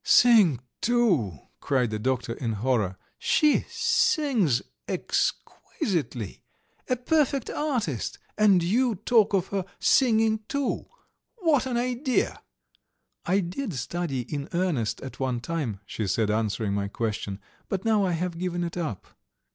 "Sing, too!" cried the doctor in horror. "She sings exquisitely, a perfect artist, and you talk of her 'singing too'! What an idea!" "I did study in earnest at one time," she said, answering my question, "but now I have given it up."